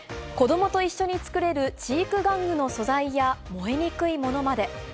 子どもと一緒に作れる知育玩具の素材や、燃えにくいものまで。